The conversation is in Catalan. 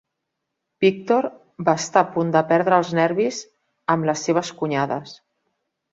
Víctor va estar a punt de perdre els nervis amb les seves cunyades.